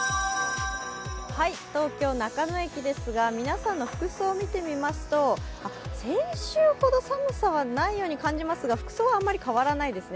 東京・中野駅ですが皆さんの服装を見てみますと先週ほど寒さはないように感じますが、服装はあまり変わらないですね